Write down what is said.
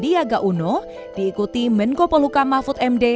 sandiaga uno diikuti menko poluka mahfud md